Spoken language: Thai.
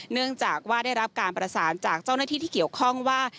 เนื่องจากว่าได้รับการประสานจากเจ้าหน้าที่ที่เกี่ยวข้องว่า